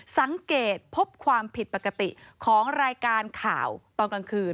สังเกตพบความผิดปกติของรายการข่าวตอนกลางคืน